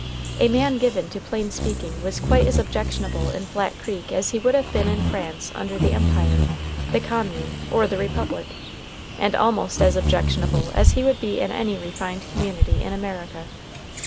A man given to plain speaking was quite as objectionable in Flat Creek as he would have been in France under the Empire, the Commune, or the Republic, and almost as objectionable as he would be in any refined community in America.